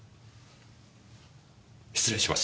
失礼します。